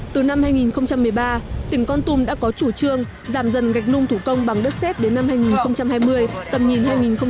từ năm hai nghìn một mươi ba tỉnh con tum đã có chủ trương giảm dần gạch nung thủ công bằng đất xét đến năm hai nghìn hai mươi tầm nhìn hai nghìn ba mươi